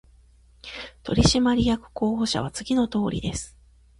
取締役候補者は次のとおりです